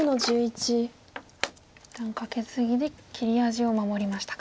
一旦カケツギで切り味を守りましたか。